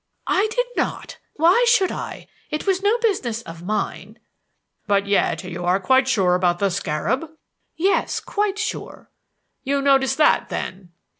"I did not. Why should I? It was no business of mine." "But yet you are quite sure about the scarab?" "Yes, quite sure." "You noticed that, then?"